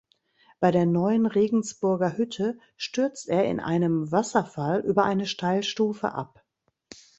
Bei der Neuen Regensburger Hütte stürzt er in einem Wasserfall über eine Steilstufe ab.